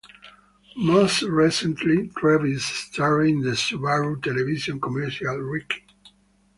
Most recently, Travis starred in the Subaru television commercial, "Ricky".